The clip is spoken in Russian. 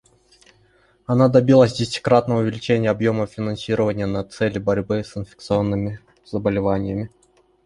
Она добилась десятикратного увеличения объемов финансирования на цели борьбы с инфекционными заболеваниями.